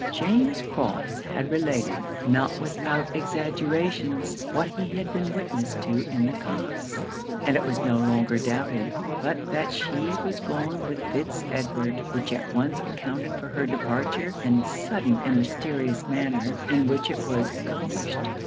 James Crofts had related, not without exaggerations, what he had been witness to in the copse; and it was no longer doubted but that she was gone with Fitz Edward, which at once accounted for her departure and the sudden and mysterious manner in which it was accomplished.